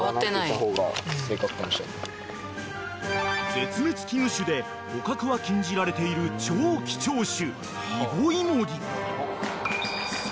［絶滅危惧種で捕獲は禁じられている超貴重種］